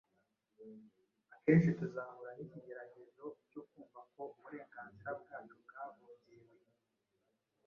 Akenshi tuzahura n’ikigeragezo cyo kumva ko uburenganzira bwacu bwavogewe,